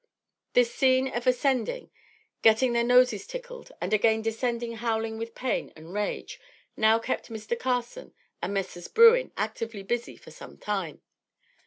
This scene of ascending, getting their noses tickled and again descending howling with pain and rage now kept Mr. Carson and Messrs. Bruin actively busy for some time.